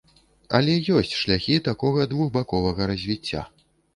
Але ёсць шляхі такога двухбаковага развіцця.